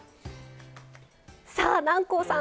さあ南光さん